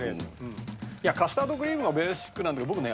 いやカスタードクリームがベーシックなんだけど僕ね